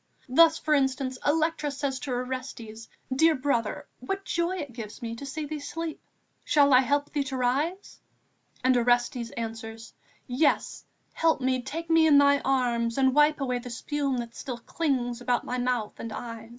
Thus, for instance, Electra says to Orestes: 'Dear brother, what joy it gave me to see thee sleep! Shall I help thee to rise?' And Orestes answers: 'Yes, help me, take me in thy arms, and wipe away the spume that still clings about my mouth and eyes.